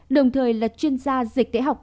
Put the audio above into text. đồng thời là chuyên gia dịch tễ học